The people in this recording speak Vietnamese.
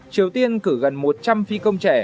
triều tiên cử gần một trăm linh phi công trẻ